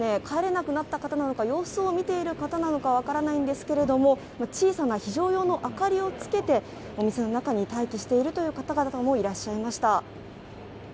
帰れなくなった方なのか様子を見ている方なのかわからないんですけれども小さな非常用の明かりをつけてお店の中に待機しているという方々もいらっしゃいました。